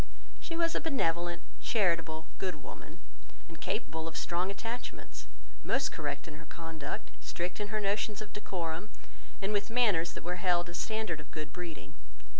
She was a benevolent, charitable, good woman, and capable of strong attachments, most correct in her conduct, strict in her notions of decorum, and with manners that were held a standard of good breeding.